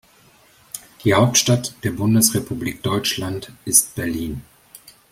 Die Hauptstadt der Bundesrepublik Deutschland ist Berlin